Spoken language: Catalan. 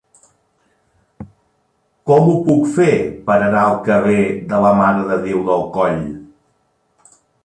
Com ho puc fer per anar al carrer de la Mare de Déu del Coll?